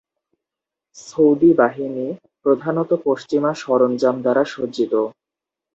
Saudi বাহিনী প্রধানত পশ্চিমা সরঞ্জাম দ্বারা সজ্জিত।